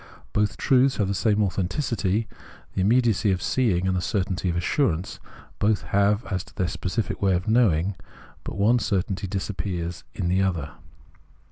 Both truths have the same authenticity — the immediacy of seeing and the certainty and assurance both have as to their specific way of knowing ; but the one certainty disappears in the other.